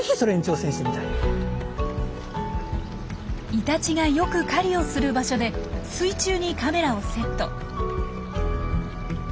イタチがよく狩りをする場所で水中にカメラをセット。